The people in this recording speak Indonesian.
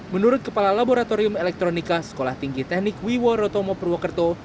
menurut kepala laboratorium elektronika sekolah tinggi teknik wiwo rotomo purwokerto